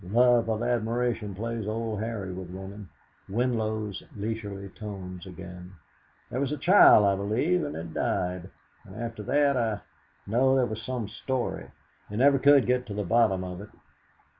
Love of admiration plays old Harry with women!" Winlow's leisurely tones again "There was a child, I believe, and it died. And after that I know there was some story; you never could get to the bottom of it.